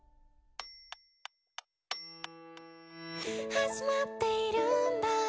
「始まっているんだ